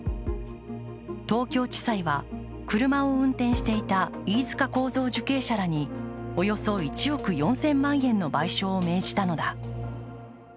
東京地裁は車を運転していた飯塚幸三受刑者らにおよそ１億４０００万円の賠償を命じたのだ。